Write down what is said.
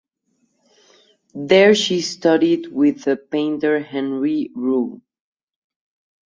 There she studied with the painter Henri Rul.